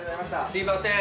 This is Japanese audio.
すいません。